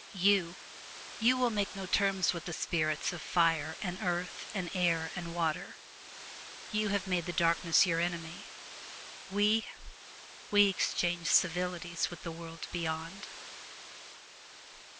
You — you will make no terms with the spirits of fire and earth and air and water. You have made the Darkness your enemy. We — we exchange civilities with the world beyond.